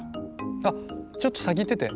あっちょっと先行ってて。